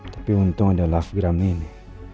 tapi untung ada lovegram ini